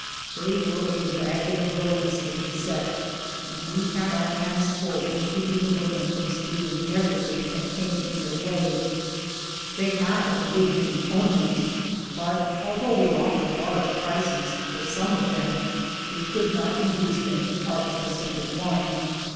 They were a ragged, villainous looking set, and we had our hands full in keeping the women from stealing every thing that came in their way. They had a good many ponies ; but, although we offered U 230 DISCOURAGEMENT. large prices for some of them, we could not induce them to part with a single one.